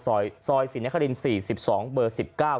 ซอยศรีนคริน๔๒เบอร์๑๙